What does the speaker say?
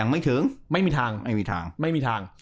ไม่มีทาง